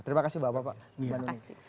terima kasih bapak bapak